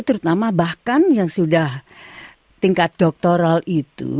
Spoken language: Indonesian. terutama bahkan yang sudah tingkat doktoral itu